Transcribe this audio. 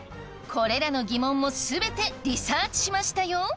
これらのギモンも全てリサーチしましたよ